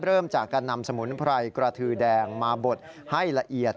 เริ่มจากการนำสมุนไพรกระทือแดงมาบดให้ละเอียด